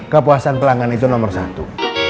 kepuasan pelanggan itu nomor satu